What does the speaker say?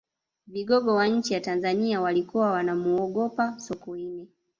vigogo wa nchi ya tanzania walikuwa wanamuogopa sokoine